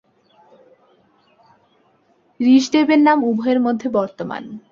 ঋষভদেবের নাম উভয়ের মধ্যে বর্তমান।